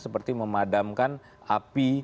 seperti memadamkan api